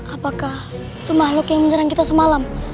apakah itu makhluk yang menyerang kita semalam